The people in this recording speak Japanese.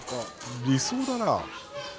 理想だなぁ。